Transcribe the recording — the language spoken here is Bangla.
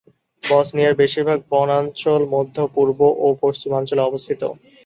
বসনিয়ার বেশিরভাগ বনাঞ্চল মধ্য, পূর্ব এবং পশ্চিমাঞ্চলে অবস্থিত।